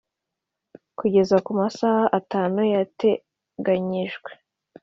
Kugeza kumasaha atanu yateganyijwe